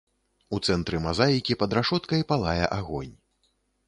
У цэнтры мазаікі пад рашоткай палае агонь.